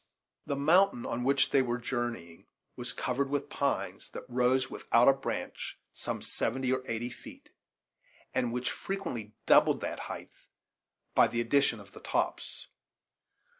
The mountain on which they were journeying was covered with pines that rose without a branch some seventy or eighty feet, and which frequently doubled that height by the addition of the tops.